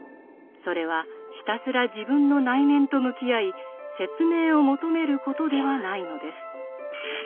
それはひたすら自分の内面と向き合い説明を求めることではないのです。